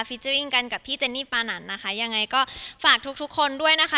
เจอริ่งกันกับพี่เจนนี่ปานันนะคะยังไงก็ฝากทุกทุกคนด้วยนะคะ